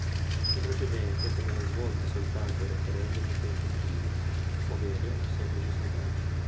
In precedenza si erano svolti soltanto referendum consultivi, ovvero semplici sondaggi.